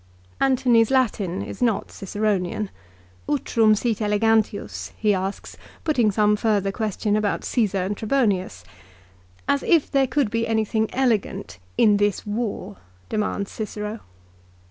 Antony's Latin is not Ciceronian, " Utrum sit elegantius," he asks, putting some further question about Caesar and Trebonius. " As if there could be anything elegant "in this war," demands Cicero.